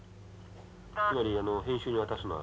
つまり編集に渡すのは。